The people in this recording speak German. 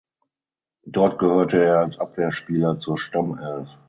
Dort gehörte er als Abwehrspieler zur Stammelf.